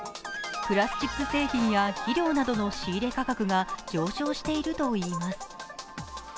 プラスチック製品や肥料などの仕入れ価格が上昇しているといいます。